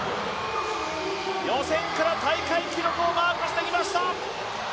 予選から大会記録をマークしてきました。